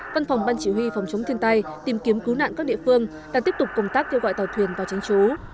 văn phòng ban chỉ huy phòng chống thiên tai tìm kiếm cứu nạn các địa phương đang tiếp tục công tác kêu gọi tàu thuyền vào tránh trú